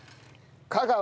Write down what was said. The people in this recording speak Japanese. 香川